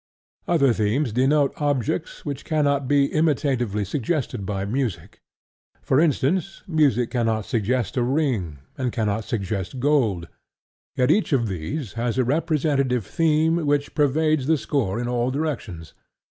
Other themes denote objects which cannot be imitatively suggested by music: for instance, music cannot suggest a ring, and cannot suggest gold; yet each of these has a representative theme which pervades the score in all directions.